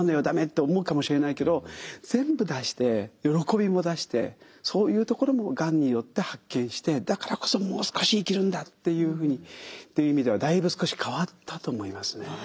駄目」って思うかもしれないけど全部出して喜びも出してそういうところもがんによって発見してだからこそもう少し生きるんだっていうふうにっていう意味ではだいぶ少し変わったと思いますね。